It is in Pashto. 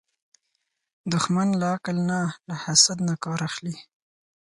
دښمن له عقل نه، له حسد نه کار اخلي